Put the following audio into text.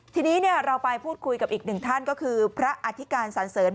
ทีนี้เราไปพูดคุยกับอีกหนึ่งท่านก็คือพระอธิการสันเสริญ